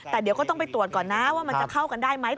แต่เดี๋ยวก็ต้องไปตรวจก่อนนะว่ามันจะเข้ากันได้ไหม